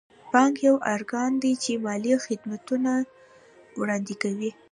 بانک یو ارګان دی چې مالي خدمتونه وړاندې کوي.